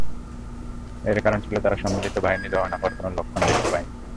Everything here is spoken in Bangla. এর কারণ ছিল তারা সম্মিলিত বাহিনীর রওনা হওয়ার কোন লক্ষণ দেখতে পায়নি।